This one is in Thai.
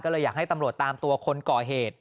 ก็เลยอยากให้ตำรวจตามตัวคนก่อเหตุ